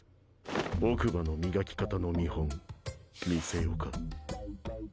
奥歯の磨き方の見本見せよか？